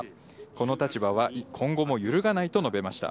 この立場は今後も揺るがないと述べました。